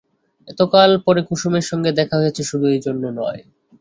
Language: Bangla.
এতকাল পরে কুমুদের সঙ্গে দেখা হইয়াছে, শুধু এইজন্য নয়।